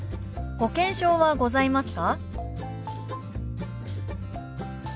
「保険証はございますか？」。